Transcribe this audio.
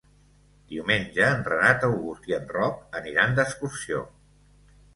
Diumenge en Renat August i en Roc aniran d'excursió.